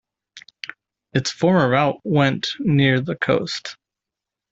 Its former route went near the coast.